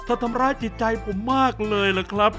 เธอทำร้ายจิตใจผมมากเลยหรือครับ